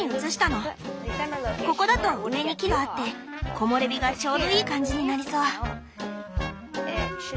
ここだと上に木があって木漏れ日がちょうどいい感じになりそう。